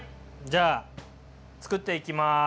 じゃあつくっていきます。